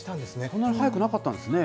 そんなに早くなかったんですね。